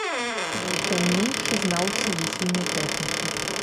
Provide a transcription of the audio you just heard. Найтаннейшы знаўца вісельнай тэхнікі.